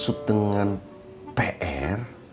maksud dengan pr